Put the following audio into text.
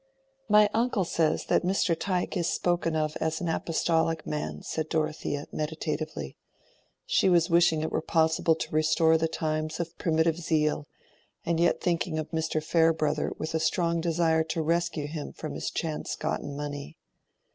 "My uncle says that Mr. Tyke is spoken of as an apostolic man," said Dorothea, meditatively. She was wishing it were possible to restore the times of primitive zeal, and yet thinking of Mr. Farebrother with a strong desire to rescue him from his chance gotten money.